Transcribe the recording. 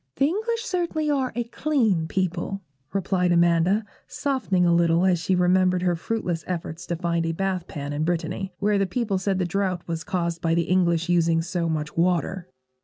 'The English certainly are a clean people,' replied Amanda, softening a little as she remembered her fruitless efforts to find a bath pan in Brittany, where the people said the drought was caused by the English using so much water.